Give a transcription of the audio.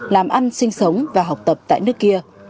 làm ăn sinh sống và học tập tại nước kia